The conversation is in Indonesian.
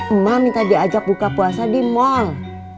emak minta diajak buka puasa di mall